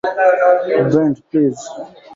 ব্রেন্ট, please!